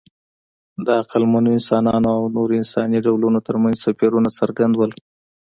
د عقلمن انسانانو او نورو انساني ډولونو ترمنځ توپیرونه څرګند وو.